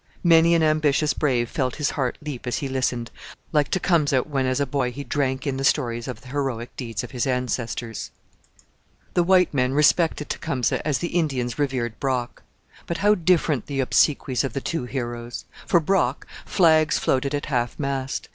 Many an ambitious brave felt his heart leap as he listened like Tecumseh when as a boy he drank in the stories of the heroic deeds of his ancestors. The white men respected Tecumseh as the Indians revered Brock. But how different the obsequies of the two heroes! For Brock flags floated at half mast.